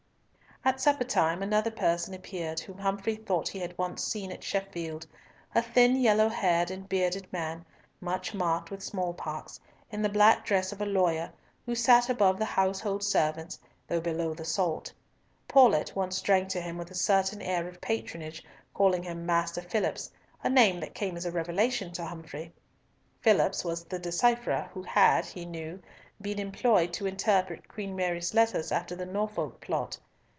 At supper time another person appeared, whom Humfrey thought he had once seen at Sheffield—a thin, yellow haired and bearded man, much marked with smallpox, in the black dress of a lawyer, who sat above the household servants, though below the salt. Paulett once drank to him with a certain air of patronage, calling him Master Phillipps, a name that came as a revelation to Humfrey. Phillipps was the decipherer who had, he knew, been employed to interpret Queen Mary's letters after the Norfolk plot.